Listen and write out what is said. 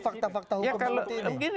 fakta fakta hukum seperti ini